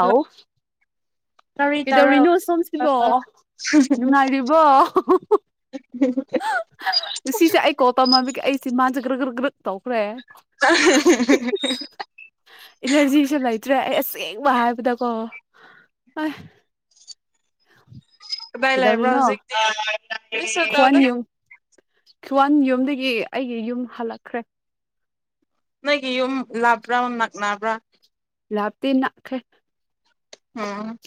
hello ꯀꯔꯤ ꯇꯧꯔ ꯀꯩꯗꯧꯔꯤꯅꯣ ꯁꯣꯝꯁꯤꯕꯣ ꯂꯩꯕ꯭ꯔꯣ ꯅꯨꯡꯉꯥꯏꯔꯤꯕꯣ ꯁꯤꯁꯦ ꯑꯩ ꯀꯣꯄꯝꯃꯃꯤꯒ ꯑꯩꯁꯦ ꯃꯥꯁꯦ ꯒ꯭ꯔꯒ ꯇꯧꯈ꯭ꯔꯦ ꯏꯅꯔꯖꯤꯁꯨ ꯂꯩꯇ꯭ꯔꯦ ꯑꯩ ꯑꯁꯦꯡꯕ ꯍꯥꯏꯕꯗꯀꯣ ꯑ [inaudible] ꯥꯏ ꯂꯔꯕ꯭ꯔꯥꯎ ꯍꯧꯖꯤꯦꯛ ꯁꯗꯗ ꯭ꯋꯥꯟ ꯌꯨꯝꯗꯒꯤ ꯑꯩꯒꯤ ꯌꯨꯝ ꯍꯜꯂꯛꯈ꯭ꯔꯦ ꯅꯣꯏꯒꯤ ꯌꯨꯝ ꯂꯥꯕ꯭ꯔꯥ ꯅꯛꯅꯕ꯭ꯔꯥ ꯂꯥꯞꯇꯅ ꯈꯦ ꯑꯝ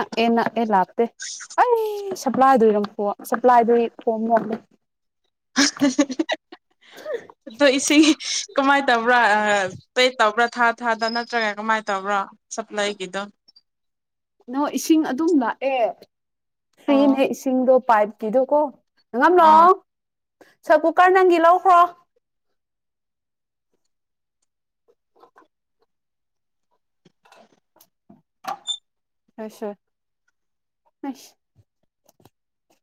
ꯑꯦꯅ ꯑꯦ ꯂꯥꯛ [unintelligible] ꯑꯩ ꯁꯄ꯭ꯂꯥꯏꯗꯨꯔ ꯁꯄ꯭ꯂꯥꯏꯗꯨ ꯐꯣꯝ ꯑꯗꯣ ꯏꯁꯤꯡ ꯀꯃꯥꯏꯅ ꯇꯧꯕ꯭ꯔꯥ ꯄꯦ ꯇꯧꯕ꯭ꯔꯥ ꯊꯥ ꯊꯥꯗ ꯅꯠꯇ꯭ꯔꯒ ꯀꯃꯥꯏꯅ ꯇꯧꯕ꯭ꯔꯣ ꯁꯄ꯭ꯂꯥꯏꯒꯤꯗꯣ ꯅꯣ ꯏꯁꯤꯡ ꯑꯗꯨꯝ ꯂꯥꯛꯑꯦ ꯑꯣ ꯐꯔꯤꯟꯦꯛꯁꯤꯡꯗꯣ ꯄꯥꯏ ꯀꯤꯗꯣ ꯀꯣ ꯍ ꯉꯅꯣ ꯑꯥ ꯁꯣ ꯀꯨꯀꯔ ꯅꯪꯒꯤ ꯂꯧꯈ꯭ꯔꯣ ꯑꯁ ꯑꯁ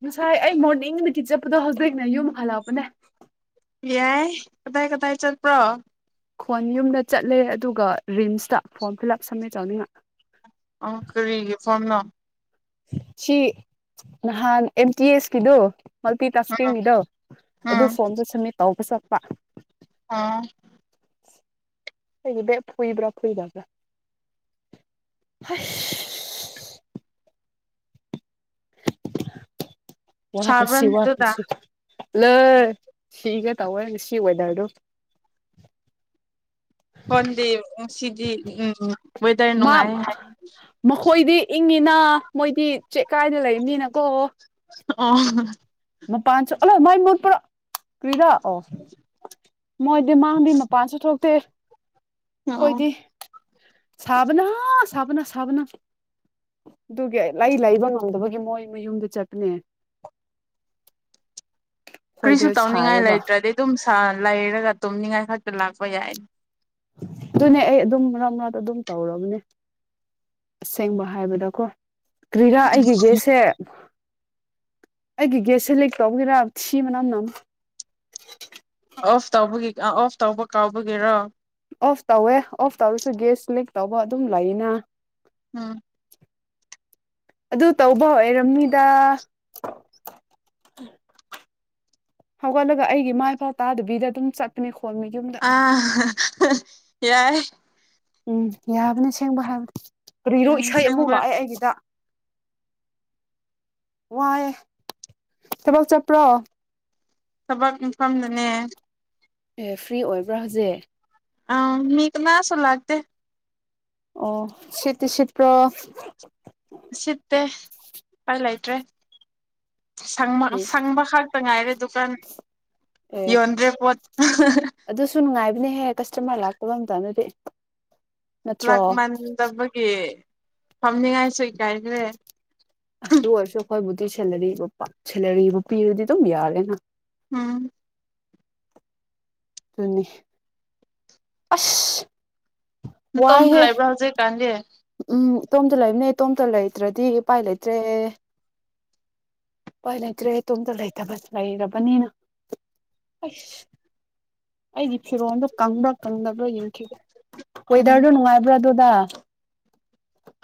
ꯉꯁꯥꯏ ꯑꯩ ꯃꯣꯔꯅꯤꯡ ꯅꯨꯇ ꯆꯠꯄꯗꯣ ꯍꯧꯖꯤꯛ ꯑꯩꯅ ꯌꯨꯝ ꯍꯜꯂꯛꯄꯅꯦ ꯌꯥꯏ ꯀꯗꯥꯏ ꯀꯗꯥꯏ ꯆꯠꯄ꯭ꯔꯣ ꯈꯣꯟ ꯌꯨꯝꯗ ꯆꯠꯂꯦ ꯑꯗꯨꯒ ꯔꯤꯝꯁꯇ ꯐꯣꯔꯝ ꯐꯤꯜꯂꯞ ꯁꯝꯃꯦ ꯆꯥꯎꯧꯅꯤꯡꯉ ꯁꯝꯅ ꯁꯤ ꯅꯍꯥꯟ ꯑꯦꯝ ꯇꯤ ꯑꯦꯁ ꯀꯗꯣ ꯃꯜꯇꯤ ꯇꯥꯁꯀꯤꯡꯒꯤꯗꯣ ꯑꯗꯨ ꯐꯣꯝꯗꯣ ꯁꯝꯃꯤꯠ ꯇꯧꯒ ꯆꯠ ꯋꯥ ꯑꯥ ꯒꯤ ꯐꯨꯏꯕ꯭ꯔꯥ ꯐꯨꯏꯗꯕ꯭ꯔꯥ ꯋꯥ ꯐꯁꯤ ꯁꯥꯕ꯭ꯔꯅꯦ ꯋꯥ ꯑꯗꯨꯗ ꯐꯁꯤ ꯂꯩꯣꯏ ꯁꯤꯒ ꯇꯧꯋꯣꯏ ꯉꯁꯤ ꯋꯦꯗꯔꯗꯣ ꯍꯣꯟꯗꯤ ꯁꯤꯗꯤ ꯎꯝ ꯋꯦꯗꯔ ꯃꯥ ꯅꯨꯡꯉꯥꯏ ꯍꯥꯏ ꯃꯈꯣꯏꯗꯤ ꯏꯪꯉꯤꯅ ꯃꯣꯏꯗꯤ ꯆꯦꯛ ꯀꯥꯏꯅ ꯂꯩꯕꯅꯤꯅꯀꯣ ꯑꯣ ꯍꯍ ꯃꯄꯥꯟ ꯁꯨ ꯑꯃꯨꯛ ꯃꯩ ꯃꯨꯠꯄ꯭ꯔꯣ ꯀ꯭ꯔꯤꯔꯥ ꯑꯣ ꯃꯣꯏꯗꯤ ꯃꯥꯥꯡꯕꯩ ꯃꯄꯤꯜꯁꯨ ꯊꯛꯇꯦ ꯇꯦ ꯑꯣ ꯈꯣꯏꯗꯤ ꯁꯥꯕꯅ ꯁꯥꯕꯅ ꯁꯥꯕꯅ ꯑꯗꯨꯒꯤ ꯂꯩ ꯂꯩꯕ ꯉꯝꯗꯕꯒꯤ ꯃꯣꯏ ꯃꯌꯨꯝꯗ ꯆꯠꯄꯅꯦ ꯀ꯭ꯔꯤꯁꯨ ꯑꯩꯈꯣꯏꯗ ꯇꯧꯅꯤꯡꯉꯥꯏ ꯁꯥꯏꯌꯦꯕ ꯂꯩꯇ꯭ꯔꯗꯤ ꯗꯨꯝ ꯂꯩꯔꯒ ꯇꯨꯝꯅꯤꯡꯉꯥꯏ ꯈ ꯂꯥꯛꯄ ꯌꯥꯏ ꯑꯗꯨꯅꯦ ꯑꯩ ꯑꯗꯨꯝ ꯃꯔꯛ ꯃꯔꯛꯇ ꯑꯗꯨꯝ ꯇꯧꯔꯝꯅꯦ ꯑꯁꯦꯡꯕ ꯍꯥꯏꯕꯗꯀꯣ ꯀ꯭ꯔꯤꯔꯥ ꯑꯩꯒꯤ ꯒꯦꯁꯁꯦ ꯑꯩꯒꯤ ꯒꯦꯁꯁꯦ ꯂꯩꯛ ꯇꯧꯒꯦꯔꯥ ꯁꯤ ꯃꯅꯝ ꯅꯝ ꯑꯣꯐ ꯇꯧꯕꯒꯤ ꯑ ꯑꯣꯐ ꯇꯧꯕ ꯀꯥꯎꯕꯒꯤꯔꯣ ꯑꯣꯐ ꯇꯧꯋꯦ ꯑꯣꯐ ꯇꯧꯔꯁꯨ ꯒꯦꯁ ꯂꯤꯛ ꯇꯧꯕ ꯑꯗꯨꯝ ꯂꯩꯅ ꯑꯝ ꯑꯗꯨ ꯇꯧꯕ ꯑꯣꯏꯔꯝꯅꯤꯗ ꯍꯧꯒꯠꯂꯒ ꯑꯩꯒꯤ ꯃꯥꯏ ꯐꯥꯎ ꯇꯥꯗꯕꯤꯗ ꯑꯗꯨꯝ ꯆꯠꯄꯅꯤ ꯑ ꯍꯍ ꯌꯥꯏ ꯎꯝ ꯌꯥꯕꯅꯦ ꯁꯦꯡꯕ ꯍꯥꯏꯕꯗꯤ ꯀ꯭ꯔꯤꯔꯣ ꯎꯝ ꯏꯁꯩ ꯑꯃꯨꯛ ꯑꯁꯦꯡꯕ ꯂꯥꯛꯑꯦ ꯑꯩꯒꯤꯗ ꯋꯥꯌꯦ ꯊꯕꯛ ꯆꯠꯄ꯭ꯔꯣ ꯊꯕꯛ ꯃꯐꯝꯗꯅꯦ ꯑꯦ ꯐ꯭ꯔꯤ ꯑꯣꯏꯕ꯭ꯔꯥ ꯍꯧꯖꯤꯛ ꯑ ꯃꯤ ꯀꯅꯥꯥꯁꯨ ꯂꯥꯛꯇꯦ ꯑꯣ ꯁꯤꯠꯇꯤ ꯁꯤꯠꯄ꯭ꯔꯣ ꯁꯤꯠꯇꯦ ꯎꯄꯥꯏ ꯂꯩꯇ꯭ꯔꯦ ꯁꯪꯕ ꯁꯪꯕ ꯈꯛꯇ ꯉꯥꯏꯔꯦ ꯗꯨꯀꯥꯟ ꯑꯦ ꯌꯣꯟꯗ꯭ꯔꯦ ꯄꯣꯠ ꯑꯗꯨꯁꯨ ꯅꯨꯡꯉꯥꯏꯕ ꯅꯤꯍꯦ ꯀꯁꯇꯃꯔ ꯂꯥꯛꯇꯕ ꯃꯇꯝꯗꯗꯤ ꯅꯠꯇ꯭ꯔꯣ ꯂꯥꯛ ꯃꯟꯗꯕꯒꯤ ꯊꯝꯅꯤꯡꯉꯥꯏꯁꯨ ꯏꯀꯥꯏꯖꯔꯦ ꯑꯁ ꯗꯨ ꯑꯣꯏꯔꯁꯨ ꯑꯩꯈꯣꯏꯕꯨ ꯗꯤ ꯁꯦꯂꯔꯤ ꯕꯀꯣ ꯁꯦꯂꯔꯤ ꯕꯨ ꯄꯤꯔꯗꯤ ꯑꯗꯨꯝ ꯌꯥꯔꯦꯅ ꯎꯝ ꯑꯗꯨꯅꯤ ꯑꯁ ꯅꯇꯣꯝꯇ ꯋꯥꯏꯍꯦ ꯂꯩꯕ꯭ꯔꯣ ꯍꯧꯖꯤꯛ ꯀꯥꯟꯗꯤ ꯇꯣꯝꯇ ꯂꯩꯕꯅꯦ ꯇꯣꯝꯇ ꯂꯩꯇ꯭ꯔꯗꯤ ꯎꯄꯥꯏ ꯂꯩꯇ꯭ꯔꯦ ꯄꯥꯏ ꯂꯩꯇ꯭ꯔꯦ ꯏꯇꯣꯝꯇ ꯂꯩꯇꯕ ꯂꯩꯔꯕꯅꯤꯅ ꯑꯩꯁ ꯑꯩꯒꯤ ꯐꯤꯔꯣꯜꯗꯣ ꯀꯪꯕ꯭ꯔꯥ ꯀꯪꯗꯕ꯭ꯔꯥ ꯌꯦꯡꯈꯤꯒ꯭ꯔꯦ ꯎꯝ ꯋꯦꯗꯔꯣ ꯅꯅꯨꯡꯉꯥꯏ ꯄꯨ ꯑꯗꯨ [inaudible]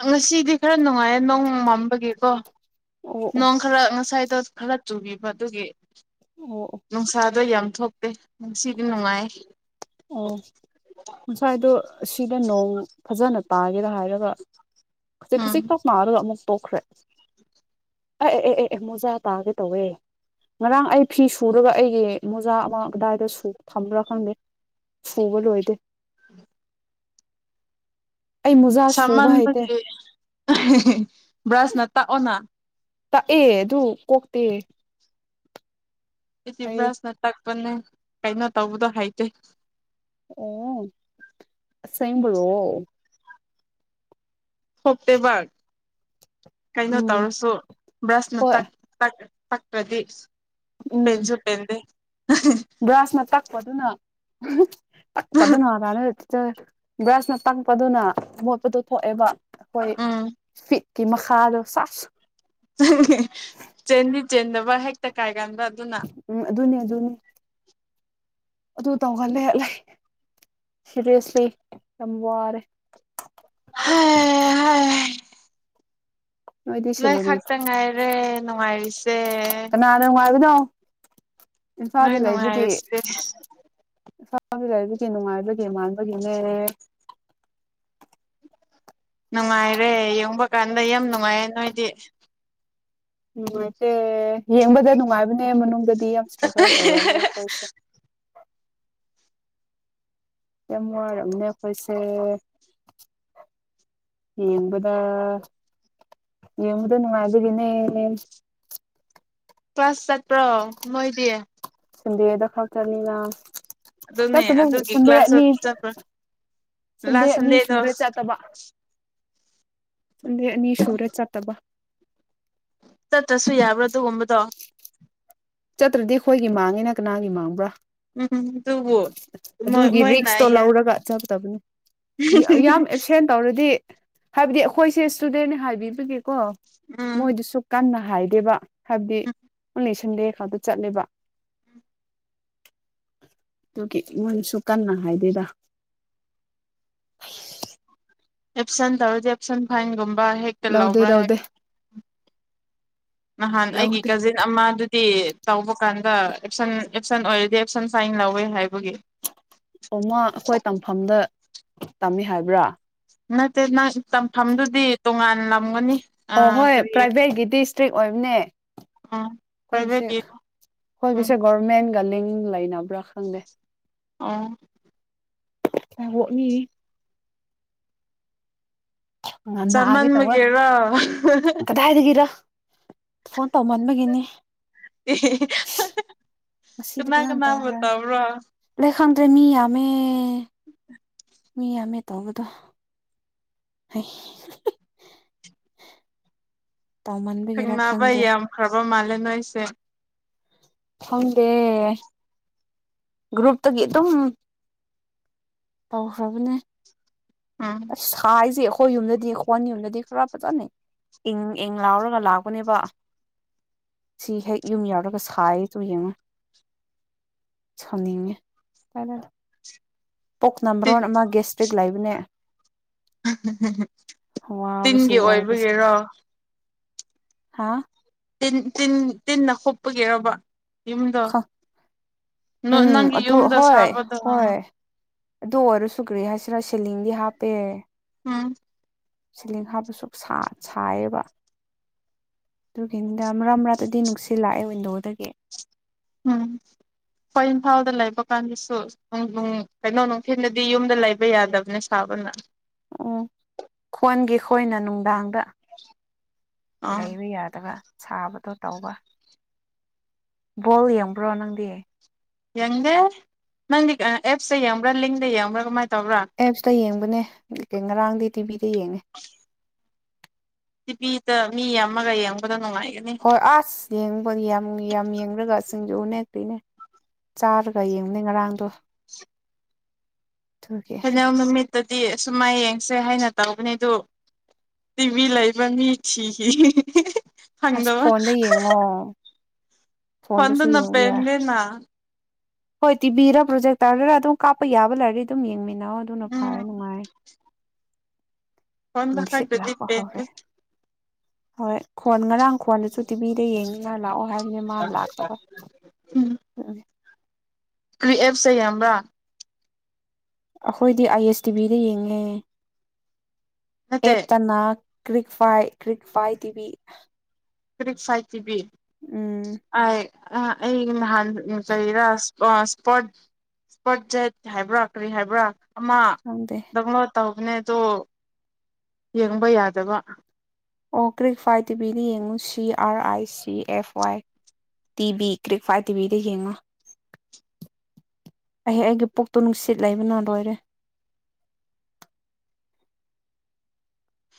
ꯉꯁꯤꯗꯤ ꯈꯔ ꯅꯨꯡꯉꯥꯏꯌꯦ ꯅꯣꯡ ꯃꯝꯕꯒꯤꯀꯣ ꯑꯣ ꯑꯣ ꯅꯣꯡ ꯈꯔ ꯉꯁꯥꯏ ꯈꯔ ꯆꯨꯕꯤꯕ ꯑꯗꯨꯒꯤ ꯑꯣ ꯑꯣ ꯪꯁꯔ ꯑꯗꯣ ꯌꯥꯝ ꯊꯣꯛꯇꯦ ꯅꯨꯡꯁꯤꯗꯤ ꯅꯨꯡꯉꯥꯏ ꯑꯣ ꯉꯁꯥꯏꯗꯣ ꯁꯤꯗ ꯅꯣꯡ ꯐꯖꯅ ꯇꯥꯒꯦꯔ ꯍꯥꯏꯔꯒ ꯎꯝ ꯈꯁꯤꯛꯇ ꯃꯥꯔꯒ ꯇꯣꯛꯈ꯭ꯔꯦ ꯑꯦ ꯑꯦ ꯑꯦ ꯑꯦ ꯃꯣꯖꯥ ꯇꯥꯒꯦ ꯇꯧꯋꯦ ꯉꯔꯥꯡ ꯑꯩ ꯐꯤ ꯁꯨꯔꯒ ꯑꯩꯒꯤ ꯃꯣꯖꯥ ꯑꯃ ꯑꯗꯥꯏꯗ ꯊꯝꯝꯕ꯭ꯔꯥ ꯈꯪꯗꯦ ꯐꯕ ꯑꯣꯏꯣꯏꯗꯦ ꯑꯩ ꯃꯨꯖꯥꯖ ꯐꯨꯕ ꯍꯩꯇꯦ ꯁꯥꯃꯟꯕꯒꯤ [inaudible] ꯕ꯭ꯔꯁꯅ ꯇꯥꯛꯑꯣꯅ ꯇꯥꯛꯑꯦ ꯑꯗꯨ ꯀꯣꯛꯇꯦ ꯏ ꯑꯩ ꯏꯕ꯭ꯔꯥꯁꯅ ꯇ ꯟꯅ ꯀꯩꯅꯣ ꯇꯧꯕꯗꯣ ꯍꯩꯇꯦ ꯑꯣ ꯁꯕꯨꯔꯣ ꯐꯞꯇꯕꯥ ꯀꯩꯅꯣ ꯎꯝ ꯇꯧꯔꯁꯨ ꯕ꯭ꯔꯁꯅ ꯍꯣꯏ ꯇꯛ ꯄ꯭ꯔꯗꯁ ꯎꯝ ꯕ꯭ꯔꯥꯁꯅ ꯆꯛꯄꯗꯨꯅ [unintelligible] ꯄ ꯑꯗꯨ ꯅꯥꯅꯦ ꯕ꯭ꯔꯁꯅ ꯇꯛꯄꯗꯨꯅ ꯃꯣꯠꯄꯗꯨꯣ ꯊꯣꯛꯑꯦꯕ ꯍꯣꯏ ꯎꯝ ꯐ ꯀ ꯃꯈꯥꯗꯣ ꯁꯥꯞ ꯆꯦꯟꯗꯤ ꯆꯦꯟꯗꯕ ꯍꯦꯛꯛꯇ ꯀꯥꯏ ꯗ ꯑꯗꯨꯅ ꯎꯝ ꯑꯗꯨꯅꯤ ꯑꯗꯨꯅꯤ ꯑꯗꯨ ꯇꯧꯍꯜꯂꯦ ꯂꯩ ꯁꯤꯦꯔꯤꯌꯁꯂꯤ ꯌꯥꯝ ꯋꯥꯔꯦ [unintelligible] ꯅꯣꯏꯗꯤ ꯅꯣꯏ ꯈꯛꯇ ꯉꯥꯏꯔꯦ ꯅꯨꯡꯉꯥꯏꯔꯤꯁ ꯅꯥꯅꯦ ꯎꯥꯏꯗ ꯅ ꯅꯅꯨꯡꯉꯥꯏꯁꯦ ꯥꯏꯔꯤꯗꯤ ꯀ ꯅꯨꯡꯉꯥꯏꯕꯦ ꯃꯥꯡꯕꯒꯤꯅꯦ ꯅꯨꯡꯉꯥꯏꯔꯦ ꯌꯦꯡꯕ ꯀꯥꯟꯗ ꯌꯥꯝ ꯅꯨꯡꯉꯥꯏꯌꯦ ꯅꯣꯏꯗꯤ [unintelligible] ꯌꯦꯡꯕꯗ ꯅꯨꯡꯉꯥꯏꯕꯅꯦ ꯃꯅꯨꯡꯗꯗꯤ ꯌꯥꯝ ꯏꯁꯇ꯭ꯔꯒꯜ ꯇꯧꯝꯅꯦ ꯑꯩꯈꯣꯏꯁꯦ ꯌꯥꯝ ꯅꯨꯡꯉꯥꯏꯔꯕꯅꯦ ꯑꯩꯈꯣꯏꯁꯦ ꯌꯦꯡꯕꯗ ꯌꯦꯡꯕꯗ ꯅꯨꯡꯉꯥꯏꯕꯒꯤꯅꯦ ꯀ꯭ꯂꯥꯁ ꯆꯠꯄ꯭ꯔꯣ ꯃꯣꯏꯗꯤ ꯁꯗꯦꯔꯗ ꯈꯛ ꯆꯅꯤꯉ ꯑꯗꯨꯅꯦ ꯑꯗꯨꯒꯤ ꯀ꯭ꯂꯥꯁꯇ ꯆꯠꯄ꯭ꯔ ꯁꯟꯗꯦ ꯂꯥꯁ ꯑꯅꯤ ꯁꯟꯗꯦꯗꯣ ꯁꯨꯔꯦ ꯑꯦ ꯅꯁꯨꯨꯨꯔꯦ ꯆ ꯇꯕ ꯆꯠꯁꯨ ꯌꯥꯕ꯭ꯔꯣ ꯑꯗꯨꯒꯨꯝꯕꯗꯣ ꯆꯠꯇ꯭ꯔꯗꯤ ꯑꯩꯈꯣꯏꯒꯤ ꯃꯥꯡꯉꯦꯅ ꯀꯅꯥꯒꯤ ꯃꯥꯡꯕ꯭ꯔꯥ ꯎꯝ ꯑꯗꯨꯕꯨ ꯃꯣꯏ ꯑꯗꯨꯒꯤ ꯃꯣꯏꯅ ꯔꯤꯛꯁꯇꯣ ꯂꯧꯔꯒ ꯆꯗꯕꯅꯤ ꯌꯥꯝ ꯑꯦꯞꯁꯦꯟ ꯇꯧꯔꯗꯤ ꯍꯥꯏꯕꯗꯤ ꯑꯩꯈꯣꯏꯁꯦ ꯏꯁꯇꯨꯗꯦꯟꯅꯦ ꯍꯥꯏꯕꯤꯕꯒꯤ ꯀꯣ ꯎꯝ ꯃꯣꯏꯗꯨꯁꯨ ꯀꯟꯅ ꯍꯥꯏꯗꯦꯕ ꯍꯥꯏꯕꯗꯤ ꯅꯪ ꯂꯩꯁꯟꯗꯦ ꯈꯔꯗ ꯆꯠꯂꯤꯦꯕ ꯑꯗꯨꯒꯤ ꯃꯅꯁꯨ ꯀꯟꯅ ꯍꯥꯏꯗꯣꯏꯗ ꯑꯦꯞꯁꯦꯟ ꯇꯔꯗꯤ ꯑꯦꯞꯁꯦꯟ ꯐꯥꯏꯒ ꯍꯦꯛꯇ ꯂꯧꯗꯦ ꯂꯥꯎꯕ꯭ꯔꯥ ꯂꯧꯗꯦ ꯍꯦꯛꯛꯇ ꯅꯍꯥꯟ ꯑꯩꯒꯤ ꯂꯧꯗꯦ ꯀꯖꯤꯟ ꯑꯃ ꯇꯤ ꯇꯧꯕ ꯀꯥꯟꯗ ꯑꯦꯞꯁꯟ ꯑꯦꯞꯁꯟ ꯑꯣꯏꯔꯗꯤ ꯑꯦꯞꯁꯟ ꯐꯥꯏꯟ ꯂꯧꯋꯦ ꯍꯥꯏꯕꯒꯤ ꯑꯣꯃ ꯑꯩꯈꯣꯏ ꯇꯝꯐꯝꯗ ꯇꯝꯃꯤ ꯍꯥꯏꯕ꯭ꯔꯥ ꯅꯠꯇꯦ ꯅꯪ ꯇꯝꯐꯝꯗꯨꯗꯤ ꯇꯣꯉꯥꯟꯂꯝꯒꯅꯤ ꯑ ꯍꯣꯏ ꯄ꯭ꯔꯥꯏꯚꯦꯠꯒꯤꯗꯤ ꯏꯁꯇ꯭ꯔꯤꯛ ꯑꯣꯏꯕꯅꯦ ꯑ ꯍꯣꯏ ꯄꯁꯦ ꯄ꯭ꯔꯥꯏꯚꯦꯠꯀꯤ ꯍꯣꯏ ꯎꯝ ꯄꯁꯦ ꯚꯣꯔꯃꯦꯟ ꯆꯅꯤꯡ ꯂꯩꯅꯕ꯭ꯔꯥ ꯈꯪꯗꯦ ꯑ ꯌꯥꯕ ꯃꯤ ꯅꯥꯒꯦ ꯇꯧꯋꯦ ꯆꯃꯟꯕꯒꯦꯔꯣ ꯀꯗꯥꯏꯗꯒꯤꯔ ꯐꯣꯟ ꯇꯧꯃꯟꯕꯒꯤꯅꯤ ꯉꯁꯤꯗꯤ ꯀꯅꯥ ꯐꯖꯅ ꯀꯅꯥ ꯇꯧꯈ꯭ꯔꯅꯤ ꯇꯥꯕ꯭ꯔꯥ ꯂꯩ ꯈꯪꯗ꯭ꯔꯦ ꯃꯤꯌꯥꯃꯦ ꯃꯤ ꯌꯥꯝꯃꯤ ꯇꯕꯗ [unintelligible] ꯇꯧꯃꯟꯕꯒꯤꯔꯥ ꯁꯦꯡꯅꯕꯏ ꯈꯪꯗ꯭ꯔꯦ ꯌꯥꯝꯈ꯭ꯔꯕ ꯃꯥꯜꯂꯦ ꯅꯣꯣꯏꯁꯦ ꯐꯪꯗꯦ ꯒ꯭ꯔꯨꯨꯞ ꯇ ꯑꯗꯨꯝ ꯇꯧꯈ꯭ꯔꯕꯅꯦ ꯎꯝ ꯑ ꯁꯥꯏꯁꯦ ꯑꯩꯈꯣꯏ ꯌꯨꯝꯗꯗꯤ ꯍꯈꯣꯟ ꯌꯨꯝꯗꯗꯤ ꯈꯔ ꯐꯖꯅ ꯏꯪ ꯏꯪ ꯂꯥꯎꯔꯒ ꯂꯥꯛꯄꯅꯦꯕ ꯁꯤ ꯍꯦꯛ ꯌꯨꯝ ꯌꯥꯎꯔꯒ ꯁꯥꯏꯁꯨ ꯌꯦꯡꯉꯣ ꯁꯥꯎꯅꯤꯡꯉꯦ ꯄꯣꯛ ꯇꯤꯟ ꯅꯝꯕ꯭ꯔꯣꯟ ꯑꯃ ꯒꯦꯁꯇ꯭ꯔꯤꯛ ꯂꯩꯕꯅꯦ ꯇꯤꯟꯒꯤ ꯑꯣꯏꯕꯒꯤꯔꯣ ꯍꯥꯥ ꯤꯟ ꯇꯤꯟ ꯇꯤꯟꯅ ꯍꯣꯞꯄꯒꯦꯔꯕ ꯌꯨꯝꯗ ꯈ ꯎꯝ ꯅꯪꯒꯤ ꯑꯗꯨ ꯌꯨꯝꯗ ꯍꯣꯏ ꯁꯥꯕꯗꯣ ꯎꯝ ꯍꯣꯏ ꯑꯗꯨ ꯑꯣꯏꯔꯁꯨꯨꯒ꯭ꯦ ꯍꯥꯏꯁꯤꯔ ꯁꯤꯦꯂꯤꯡꯗꯤ ꯍꯥꯞꯄꯦ ꯎꯝ ꯁꯤꯂꯤ ꯍꯥꯕꯁꯨ ꯁꯥꯏꯌꯦꯕ ꯑꯗꯨꯒꯤꯗ ꯃꯔꯛ ꯃꯔꯥꯗꯗꯤ ꯅꯨꯡꯁꯤꯜꯂꯥꯛꯑꯦ ꯋꯤꯟꯗꯣꯗꯒꯤ ꯎꯝ ꯍꯣꯏ ꯏꯝꯐꯥꯜꯗ ꯂꯩꯕ ꯀꯥꯟꯗꯁꯨ ꯀꯩꯅꯣ ꯅꯨꯡꯊꯤꯜꯗꯗꯤ ꯌꯨꯝꯗ ꯂꯩꯕ ꯌꯥꯗꯕꯅꯦ ꯁꯥꯕꯅ ꯎꯝ ꯈꯣꯟꯒꯤ ꯈꯣꯏꯅ ꯅꯨꯡꯗꯥꯡꯗ ꯑꯥ ꯂꯩꯕ ꯌꯥꯗꯕ ꯁꯥꯕꯗꯣ ꯇꯧꯕ ꯕꯣꯜ ꯌꯦꯡꯕ꯭ꯔꯣ ꯅꯪꯗꯤ ꯌꯦꯡꯗꯦ ꯅꯪꯒꯤ ꯑꯦꯞꯁ ꯌꯦꯡꯕ꯭ꯔꯥ ꯂꯤꯡꯗ ꯌꯦꯡꯕ꯭ꯔꯥ ꯀꯃꯥꯏ ꯑꯦꯞꯁꯇ ꯌꯦꯡꯕꯅꯦ ꯉꯔꯥꯡꯗ ꯇꯤꯕꯤ ꯐꯔꯤꯌꯦꯅꯦ ꯁꯤ ꯐ ꯃꯤ ꯌꯥꯝ ꯃꯃꯒꯥꯏꯌꯦꯡ ꯍꯣꯏ ꯑꯁ ꯌꯦꯡꯕ ꯌꯥꯝ ꯌꯥꯝ ꯌꯦꯡꯨꯔꯒ ꯑꯁ ꯁꯤꯡꯖꯨ ꯎ ꯅꯦꯛꯛꯇꯨꯅꯦ ꯆꯥꯔꯒ ꯌꯦꯡꯅꯦ ꯉꯔꯥꯡꯗꯣ ꯑꯗꯨꯒꯤ ꯀꯩꯅ ꯇꯗꯤ ꯑ ꯁꯨꯝꯃꯥꯏ ꯌꯦꯡꯁꯦ ꯍꯥꯏꯅ ꯇꯧꯕꯅꯤ ꯑꯗꯨ ꯇꯤꯚꯤ ꯂꯩꯕ ꯃꯤ ꯊꯤꯈꯤ ꯑꯁ ꯍꯒ ꯐꯣꯟꯗ ꯌꯦꯡꯉꯣ ꯍꯗ ꯐꯣꯟꯗꯁꯨ ꯌꯦꯡꯕ ꯅꯕ ꯌꯥꯏ ꯑꯦꯗꯦꯅ ꯍꯣꯏ ꯇꯤꯕꯤꯔꯥ ꯄ꯭ꯔꯣꯖꯦꯛ ꯇꯥꯔꯒꯔ ꯑꯗꯨꯝ ꯀꯥꯞꯄ ꯌꯥꯕ ꯂꯩꯔꯗꯤ ꯑꯗꯨꯝ ꯌꯦꯡꯃꯤꯟꯅ ꯅꯥꯎ ꯑꯗꯨꯅ ꯐꯔ ꯅꯨꯡꯉꯥꯏ ꯍꯗ ꯅꯨꯡꯁꯤꯠ ꯂꯥꯛꯄ ꯈꯗꯗꯤꯕꯦ ꯍꯧꯔꯦ ꯍꯣꯏ ꯈꯣꯟ ꯉꯔꯥꯡ ꯈꯣꯟꯗꯨꯁꯨ ꯇꯤꯚꯤꯗ ꯌꯦꯡꯅꯤꯅ ꯂꯥꯛꯑꯣ ꯍꯥꯏ ꯃꯥ ꯂꯥꯛꯇꯕ ꯎꯝ ꯀ꯭ꯔꯤ ꯑꯦꯞꯁ ꯌꯥꯝꯕ꯭ꯔꯥ ꯑꯩꯈꯣꯏꯗꯤ ꯑꯥꯏ ꯑꯦꯁ ꯇꯤ ꯚꯤꯗ ꯌꯦꯡꯉꯦ ꯅꯠꯇꯦ ꯏꯕꯇꯅꯥ ꯀ꯭ꯔꯤꯛ ꯐꯥꯏ ꯀ꯭ꯔꯤꯛ ꯐꯥꯏ ꯇꯤꯚꯤ ꯔꯤꯛꯁꯥꯏꯇꯕꯤ ꯎꯝ ꯑꯩ ꯅꯍꯥꯟ ꯀꯔꯤꯔꯥ ꯏꯁꯄꯠ ꯏꯁꯄꯠ ꯖꯦꯠ ꯍꯥꯏꯕ꯭ꯔꯥ ꯀꯔꯤ ꯍꯥꯏꯕ꯭ꯔꯥ ꯑ ꯈꯪꯗꯦ ꯗꯃ ꯇ ꯅꯦꯗꯣ ꯌꯦꯡꯕ ꯌꯥꯗꯕ ꯑꯣ ꯀ꯭ꯔꯤꯛ ꯐꯥꯏ ꯇꯤꯚꯤꯗ ꯌꯦꯡꯉꯨ C R I C F Y T ꯚꯕꯤ ꯀ꯭ꯔꯤꯛ ꯐꯥꯏ ꯇꯤꯚꯤꯗ ꯌꯦꯡꯉꯨ ꯑꯩꯍ ꯑꯩꯒꯤ ꯄꯣꯛꯇꯣ ꯅꯨꯡꯁꯤꯠ ꯂꯩꯕꯅ ꯂꯣꯏꯔꯦ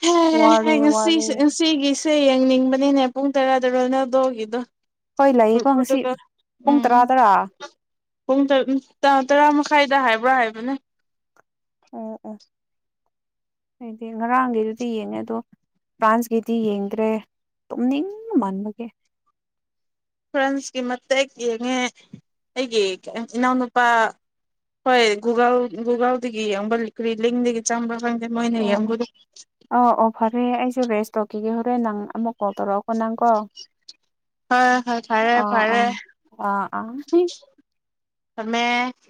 ꯍ ꯋꯥꯔꯦ ꯍ ꯋꯥꯔꯦ ꯁꯤꯁꯤ ꯁꯤꯒꯤꯁꯤ ꯁꯦ ꯌꯦꯡꯅꯤꯡꯕꯅꯤꯅꯦ ꯄꯨꯡ ꯇꯔꯥꯗꯔꯣ ꯂꯧꯗꯣꯛꯈꯤꯗꯣ ꯍꯣꯏ ꯂꯩꯌꯦꯀꯣ ꯉꯁꯤ ꯄꯨꯡ ꯎꯝ ꯇꯔꯥ ꯇꯔꯥ ꯄꯨꯡ ꯇꯔꯨ ꯇꯔꯥ ꯃꯈꯥꯏꯗ ꯍꯥꯏꯕ꯭ꯔꯥ ꯍꯥꯏꯕꯅꯦ ꯍꯥꯏꯗꯤ ꯉꯔꯥꯡꯒꯤꯩꯗꯨꯗꯤ ꯌꯦꯡꯉꯦ ꯑꯗꯣ ꯐ꯭ꯔꯥꯟꯁꯀꯤꯗꯤ ꯌꯦꯡꯗ꯭ꯔꯦ ꯇꯨꯝꯅꯤꯡ ꯃꯥꯟꯕꯒꯦ ꯐꯣꯔꯦꯟꯁꯀꯤ ꯃꯇꯦꯛ ꯌꯦꯡꯉꯦ ꯑꯩꯒꯤ ꯏꯅꯥꯎꯅꯨꯄꯥ ꯍꯣꯏ ꯒꯨꯒꯜ ꯒꯨꯒꯜꯗꯒꯤ ꯌꯦꯡꯕ ꯔꯤꯂꯤꯡꯗꯒꯤ ꯆꯪꯕꯪ ꯑꯣ ꯑꯣ ꯑꯣ ꯑꯣ ꯐꯔꯦ ꯑꯩꯁꯨ ꯔꯦꯁꯇ ꯍꯧꯒꯦ ꯍꯣꯔꯦꯟ ꯅꯪ ꯑꯃꯨꯛ ꯀꯣ ꯇꯧꯔꯛꯑꯣꯀꯣ ꯅꯪ ꯀꯣ ꯍꯣꯏ ꯍꯣꯏ ꯐꯔꯦ ꯑꯥ ꯐꯔꯦ ꯑꯥ ꯑꯥ ꯑꯥ ꯑꯗꯨꯃꯦ